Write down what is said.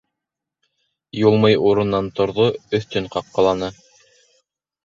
Юлмый урынынан торҙо, өҫтөн ҡаҡҡыланы: